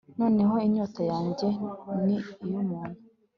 Noneho inyota yanjye ni iyumuntu